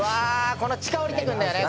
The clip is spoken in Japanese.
この地下下りてくんだよね。